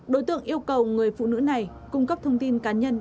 đối tượng yêu cầu người phụ nữ này cung cấp thông tin cá nhân